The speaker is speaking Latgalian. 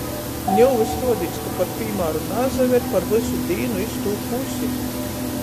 Niu vys ruodīs, ka, par pīmāru, nasaver par vysu dīnu iz tū pusi.